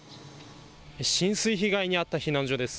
浸水被害に遭った避難所です。